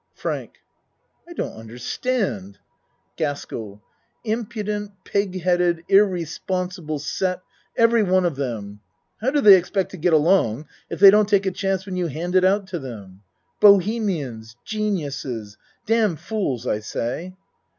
FRANK I don't understand. GASKELL Impudent pig headed irresponsible set every one of them. How do they expect to get along if they don't take a chance when you hand it out to them ? Bohemians ! Geniuses ! Damn fools, I say.